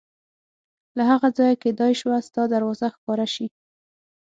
له هغه ځایه کېدای شوه ستا دروازه ښکاره شي.